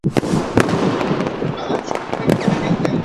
এটি ভারতের পশ্চিমবঙ্গ রাজ্যের হুগলী জেলার মগরায় অবস্থিত।